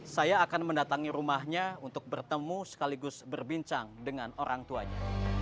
saya akan mendatangi rumahnya untuk bertemu sekaligus berbincang dengan orang tuanya